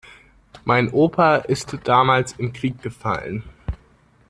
Mein Opa ist damals im Krieg gefallen.